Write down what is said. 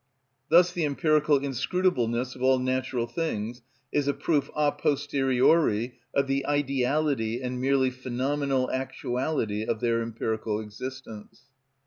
Thus the empirical inscrutableness of all natural things is a proof a posteriori of the ideality and merely phenomenal actuality of their empirical existence.